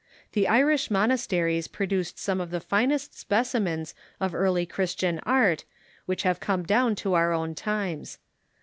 The Irish monasteries produced some of the finest specimens of early Christian art which have come down to our own times.